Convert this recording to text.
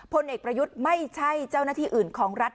พลเอกประยุทธ์ไม่ใช่เจ้าหน้าที่อื่นของรัฐ